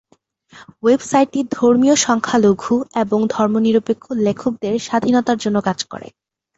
Website টি ধর্মীয় সংখ্যালঘু এবং ধর্মনিরপেক্ষ লেখকদের স্বাধীনতার জন্য কাজ করে।